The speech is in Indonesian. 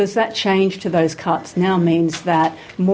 karena perubahan cut itu sekarang berarti